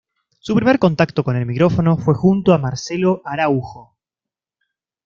Su primer contacto con el micrófono fue junto a Marcelo Araujo.